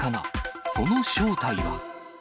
その正体は？